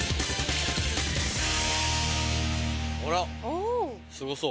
あらすごそう。